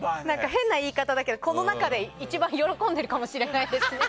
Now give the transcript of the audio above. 変な言い方だけどこの中で一番喜んでるかもしれないですね。